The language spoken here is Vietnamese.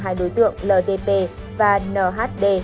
hai đối tượng ldb và nhd